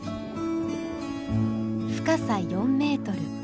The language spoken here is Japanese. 深さ４メートル。